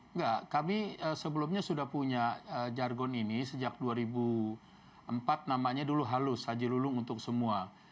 enggak kami sebelumnya sudah punya jargon ini sejak dua ribu empat namanya dulu halus haji lulung untuk semua